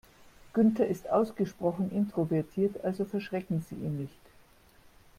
Günther ist ausgesprochen introvertiert, also verschrecken Sie ihn nicht.